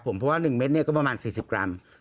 เพราะว่า๑เม็ดก็ประมาณ๔๐กรัม